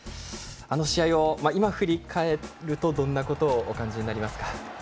あの試合を今振り返るとどんなことをお感じになりますか。